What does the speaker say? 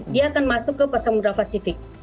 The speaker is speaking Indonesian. dia akan masuk ke samudera pasifik